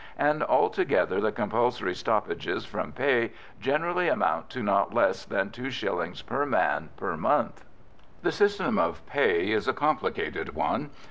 and altogether the compulsory stoppages from pay generally amount to not less than two shillings per man per month. The system of pay is a complicated one.